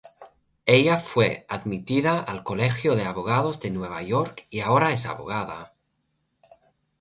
Ella fue admitida al Colegio de Abogados de Nueva York, y ahora es abogada.